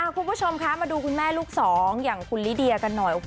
คุณผู้ชมคะมาดูคุณแม่ลูกสองอย่างคุณลิเดียกันหน่อย